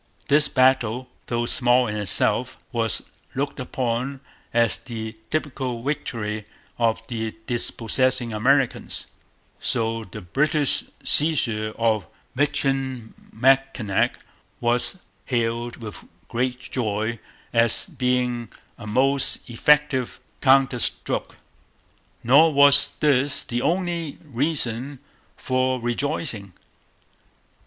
This battle, though small in itself, was looked upon as the typical victory of the dispossessing Americans; so the British seizure of Michilimackinac was hailed with great joy as being a most effective counter stroke. Nor was this the only reason for rejoicing.